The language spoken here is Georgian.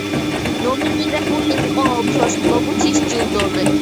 ნომინირებული იყო ოქროს გლობუსის ჯილდოზე.